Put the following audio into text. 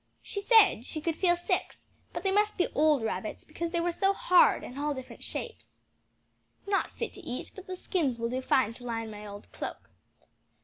She said she could feel six, but they must be old rabbits, because they were so hard and all different shapes. "Not fit to eat; but the skins will do fine to line my old cloak."